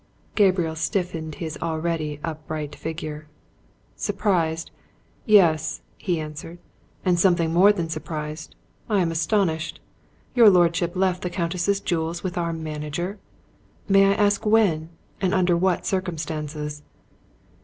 Gabriel stiffened his already upright figure. "Surprised yes!" he answered. "And something more than surprised I am astonished! Your lordship left the Countess's jewels with our manager? May I ask when and under what circumstances?"